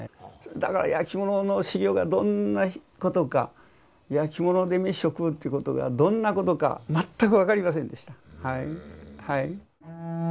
だからやきものの修業がどんなことかやきもので飯を食うってことがどんなことか全く分かりませんでした。